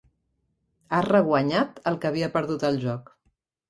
Ha reguanyat el que havia perdut al joc.